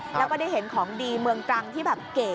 แล้วก็ได้เห็นของดีเมืองตรังที่แบบเก๋